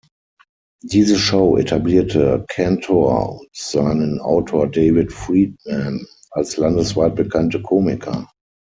Diese Show etablierte Cantor und seinen Autor David Freedman als landesweit bekannte Komiker.